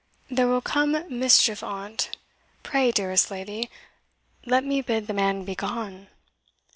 There will come mischief on't pray, dearest lady, let me bid the man begone!"